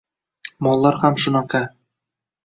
Mollar ham shunaqa